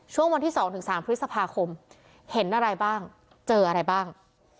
ช่วงวันที่๒๓พฤษภาคมเห็นอะไรบ้างเจออะไรบ้าง